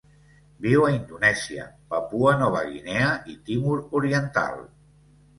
Viu a Indonèsia, Papua Nova Guinea i Timor Oriental.